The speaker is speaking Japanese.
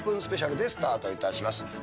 スペシャルでスタートいたします。